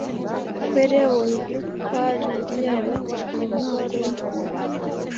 Ko yari yabonye ukuri kwa bibiliya yabatijwe mu mwaka umwe